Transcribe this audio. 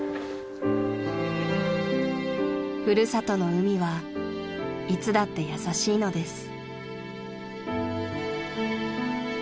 ［ふるさとの海はいつだって優しいのです］